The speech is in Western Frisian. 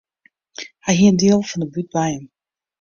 Hy hie in diel fan de bút by him.